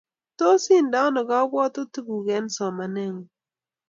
tos inde ano kabwatutik guuk eng' somanengun